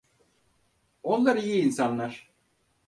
Onlar iyi insanlar.